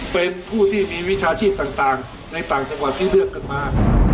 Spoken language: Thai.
เป็นผู้ที่มีวิชาชีพต่างในต่างจังหวัดที่เลือกกันมา